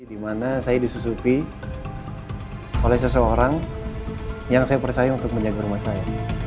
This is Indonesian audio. di mana saya disusupi oleh seseorang yang saya percaya untuk menjaga rumah saya